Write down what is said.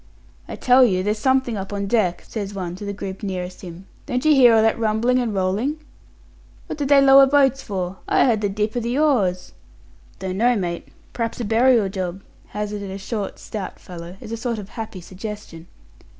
"I tell you there's something up on deck," says one to the group nearest him. "Don't you hear all that rumbling and rolling?" "What did they lower boats for? I heard the dip o' the oars." "Don't know, mate. P'r'aps a burial job," hazarded a short, stout fellow, as a sort of happy suggestion.